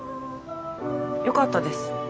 よかったです。